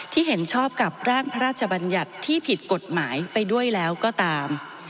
เห็นชอบกับร่างพระราชบัญญัติที่ผิดกฎหมายไปด้วยแล้วก็ตาม